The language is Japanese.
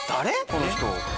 この人。